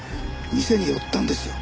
店に寄ったんですよ。